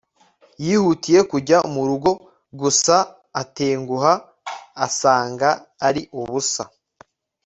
yihutiye kujya mu rugo gusa atenguha asanga ari ubusa